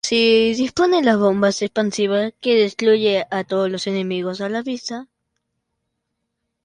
Se dispone de bombas expansivas que destruye a todos los enemigos a la vista.